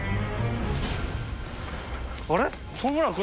あれ？